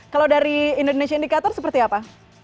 kalau dari indonesia indicator seperti apa